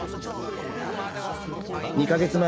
２カ月前